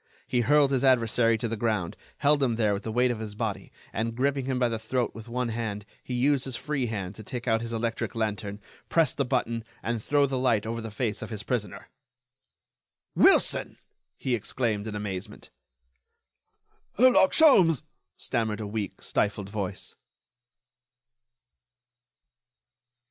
He hurled his adversary to the ground, held him there with the weight of his body, and, gripping him by the throat with one hand, he used his free hand to take out his electric lantern, press the button, and throw the light over the face of his prisoner. "Wilson!" he exclaimed, in amazement. "Herlock Sholmes!" stammered a weak, stifled voice.